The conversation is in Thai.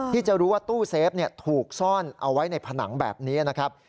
ที่จะรู้ว่าตู้เซฟถูกซ่อนเอาไว้ในผนังแบบนี้นะครับ